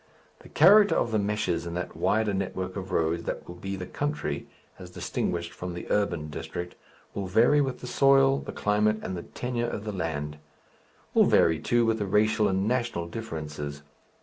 The character of the meshes in that wider network of roads that will be the country, as distinguished from the urban district, will vary with the soil, the climate and the tenure of the land will vary, too, with the racial and national differences.